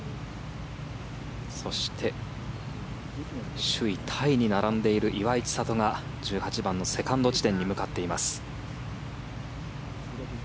そして首位タイに並んでいる岩井千怜が１８番のセカンド地点に向かっています。